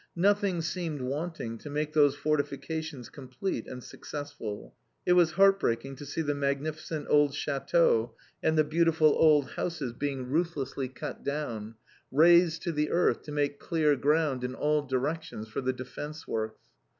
Nothing seemed wanting to make those fortifications complete and successful. It was heart breaking to see the magnificent old châteaux and the beautiful little houses being ruthlessly cut down, razed to the earth to make clear ground in all directions for the defence works.